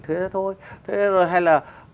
thế thôi thế rồi hay là